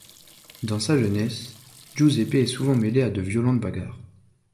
Dans sa jeunesse, Giuseppe est souvent mêlé à de violentes bagarres.